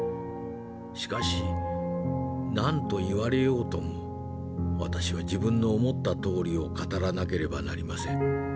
しかし何と言われようとも私は自分の思ったとおりを語らなければなりません。